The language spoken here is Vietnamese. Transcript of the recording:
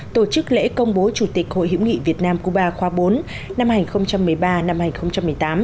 tổ chức lễ công bố chủ tịch hội hiểu nghị việt nam cuba bốn năm hai nghìn một mươi ba hai nghìn một mươi tám